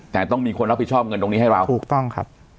แต่ต้องมีคนรับผิดชอบเงินตรงนี้ให้เราถูกต้องครับ